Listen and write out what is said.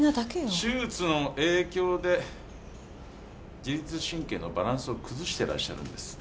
手術の影響で自律神経のバランスを崩してらっしゃるんです。